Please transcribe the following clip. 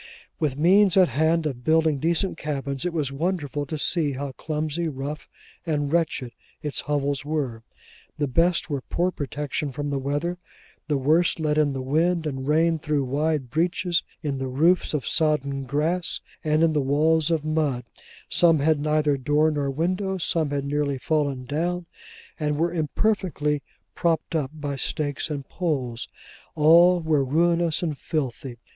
With means at hand of building decent cabins, it was wonderful to see how clumsy, rough, and wretched, its hovels were. The best were poor protection from the weather the worst let in the wind and rain through wide breaches in the roofs of sodden grass, and in the walls of mud; some had neither door nor window; some had nearly fallen down, and were imperfectly propped up by stakes and poles; all were ruinous and filthy.